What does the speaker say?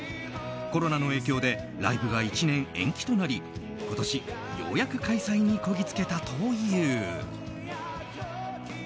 コロナの影響でライブが１年延期となり今年、ようやく開催にこぎつけたという。